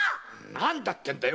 何だってんだよ